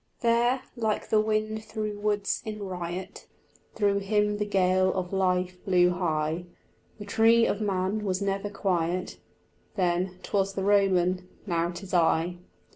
There, like the wind through woods in riot, Through him the gale of life blew high; The tree of man was never quiet: Then 'twas the Roman, now 'tis I.